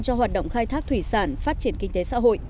cho hoạt động khai thác thủy sản phát triển kinh tế xã hội